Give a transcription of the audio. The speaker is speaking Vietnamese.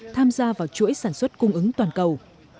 tham gia vào chuỗi sản xuất cung ứng toàn cầu